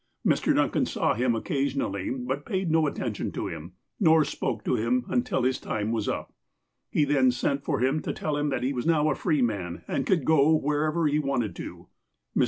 Mr. Duncan saw him occasionally, but paid no attention to him, nor spoke to him, until his time was up. He then sent for him to tell him that he was now a free man, and could go wherever he wanted to. Mr.